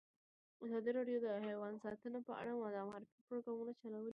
ازادي راډیو د حیوان ساتنه په اړه د معارفې پروګرامونه چلولي.